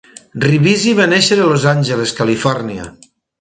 Ribisi va néixer a Los Angeles, Califòrnia.